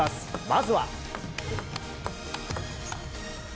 まずは。